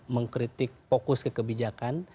mengkritik fokus kekebijakan